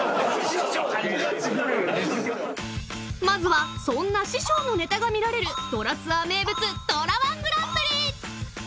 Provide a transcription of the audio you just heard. ［まずはそんな師匠のネタが見られる『ドラツア』名物ドラ−１グランプリ］